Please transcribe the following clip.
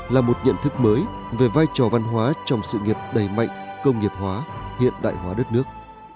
là một nhận thức mới về vai trò văn hóa trong sự nghiệp đầy mạnh công nghiệp hóa hiện đại hóa đất nước